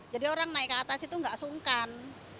jadi orang naik ke atas itu nggak sungkan